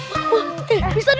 eh bisa dut